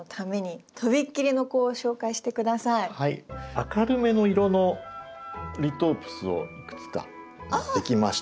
明るめの色のリトープスをいくつか持ってきました。